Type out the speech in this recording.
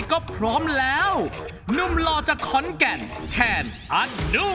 ครับผมทำฝึกร้องให้ดีขึ้นครับ